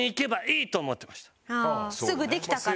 すぐできたからね。